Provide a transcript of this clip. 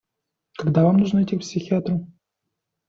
Когда вам нужно идти к психиатру?